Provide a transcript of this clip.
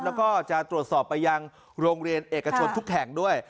แล้วก็จะตรวจสอบไปยังโรงเรียนเอกชนทุกแห่งด้วย